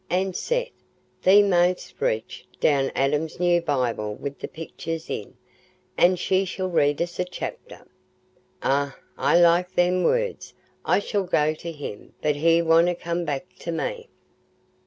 An' Seth, thee may'st reach down Adam's new Bible wi' th' picters in, an' she shall read us a chapter. Eh, I like them words—'I shall go to him, but he wonna come back to me.